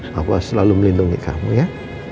aku selalu melindungi kamu ya